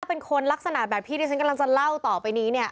เป็นคนลักษณะแบบที่ที่ฉันกำลังจะเล่าต่อไปนี้เนี่ย